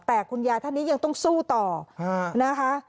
แต่คุณยายท่านนี้ยังต้องสู้ต่อนะคะ